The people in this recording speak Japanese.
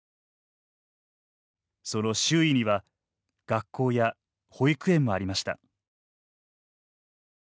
その周囲には学校や保育園もありました。